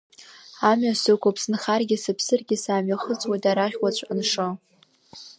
Амҩа сықәуп, сынхаргьы сыԥсыргьы саамҩахыҵуеит арахь уаҵә аншо.